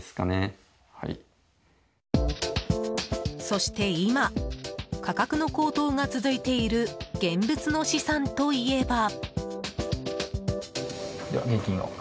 そして今、価格の高騰が続いている現物の資産といえば。